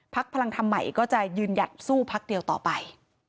ภักดิ์พลังทำใหม่ก็จะยืนหยัดสู้ภักดิ์เดียวต่อไป